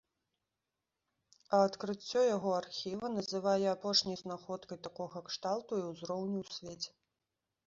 А адкрыццё яго архіва называе апошняй знаходкай такога кшталту і ўзроўню ў свеце.